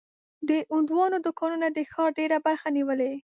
د هندوانو دوکانونه د ښار ډېره برخه نیولې.